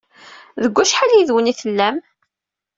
Deg wacḥal yid-wen ay tellam?